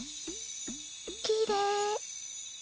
きれい。